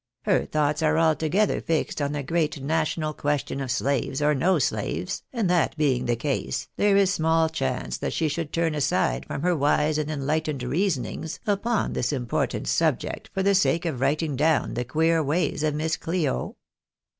" Her thoughts are altogether fixed on the great national question of slaves or no slaves, and that being the case, there is small chance that she should turn aside from her wise and enlightened reasonings upon this important subject for the sake of writing down the queer ways of Miss Cho